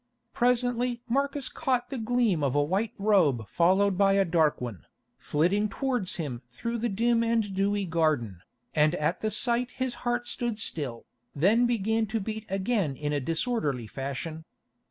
Presently Marcus caught the gleam of a white robe followed by a dark one, flitting towards him through the dim and dewy garden, and at the sight his heart stood still, then began to beat again in a disorderly fashion.